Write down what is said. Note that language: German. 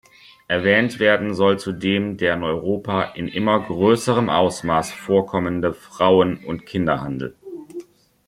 Erwähnt werden soll zudem der in Europa in immer größerem Ausmaß vorkommende Frauen- und Kinderhandel.